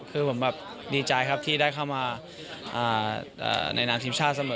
คือผมแบบดีใจครับที่ได้เข้ามาในนามทีมชาติเสมอ